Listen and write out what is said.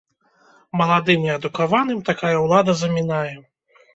Маладым і адукаваным такая ўлада замінае.